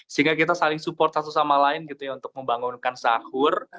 sehingga kita saling support satu sama lain gitu ya untuk membangunkan sahur